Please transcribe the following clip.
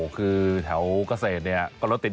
คือแถวเกรษฐก็ลดติดอยู่แล้วเนาะ